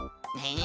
え！